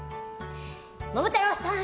桃太郎さん